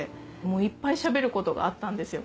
いっぱいしゃべることがあったんですよ